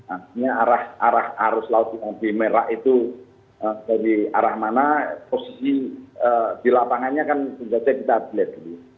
artinya arah arah arus laut yang lebih merah itu dari arah mana posisi di lapangannya kan penjajah kita lihat dulu